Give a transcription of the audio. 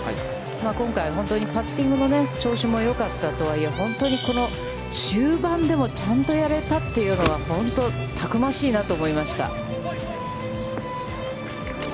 今回本当にパッティングも調子がよかったとはいえ、本当に、この終盤でもちゃんとやれたというのは、本当たくましいなと思いました。